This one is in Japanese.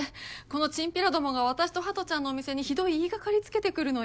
このチンピラどもが私と鳩ちゃんのお店にひどい言いがかりつけてくるのよ。